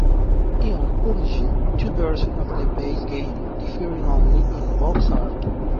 Eon published two versions of the base game, differing only in box art.